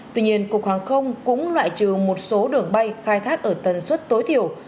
tuy nhiên cục hàng không cũng loại trừ một số đường bay khai thác ở tần suất tối thiểu